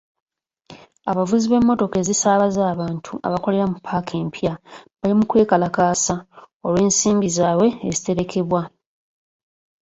Abavuzi b'emmotoka ezisaabaza abantu abakolera mu paaka empya bali mu kwekalakaasa olw'ensimbi zaabwe eziterekebwa.